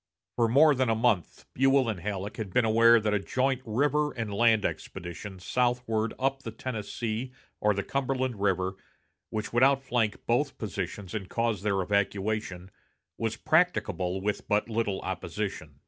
For more than a month Buell and Halleck had been aware that a joint river and land expedition southward up the Tennessee or the Cumberland River, which would outflank both positions and cause their evacuation, was practicable with but little opposition.